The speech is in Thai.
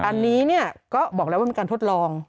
อันนี้เนี่ยก็บอกแล้วว่ามีการทดลอง